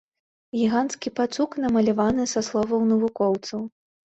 Гіганцкі пацук, намаляваны са словаў навукоўцаў.